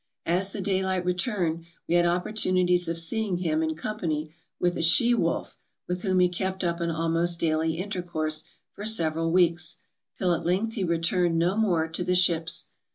As the daylight returned we had opportunities of seeing him in com pany with a she wolf with whom he kept up an almost daily intercourse for several weeks, till at length he returned no more to the ships.